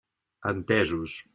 Entesos.